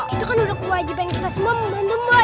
itu kan udah kewajiban kita semua membantu bu ya kan